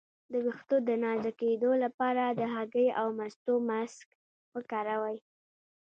د ویښتو د نازکیدو لپاره د هګۍ او مستو ماسک وکاروئ